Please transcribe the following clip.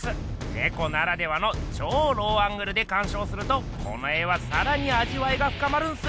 ねこならではのちょうローアングルでかんしょうするとこの絵はさらにあじわいがふかまるんす！